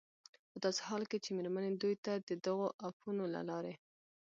په داسې حال کې چې مېرمنې دوی ته د دغو اپونو له لارې